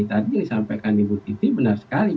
tadi yang disampaikan ibu titi benar sekali